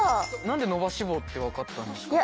何で伸ばし棒って分かったんですか？